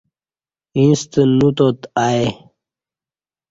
ییݩستہ نو تات آئی۔